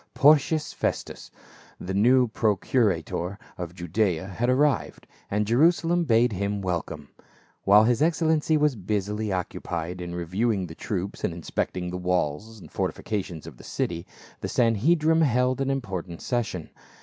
Porcius Festus, the new procurator of Judaea, had arrived, and Jerusalem bade him welcome. While his excellency was busily occupied in re viewing the troops and inspecting the walls and forti fications of the city, the Sanhedrim held an important session.